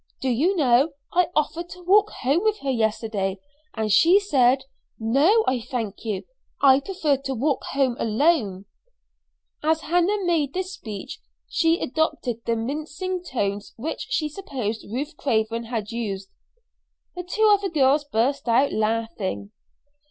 Do you know, I offered to walk home with her yesterday, and she said, 'No, I thank you; I prefer to walk home alone,'" As Hannah made this speech she adopted the mincing tones which she supposed Ruth Craven had used. The two other girls burst out laughing.